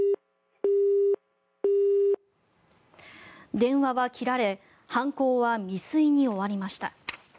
電話は切られ犯行は未遂に終わりました。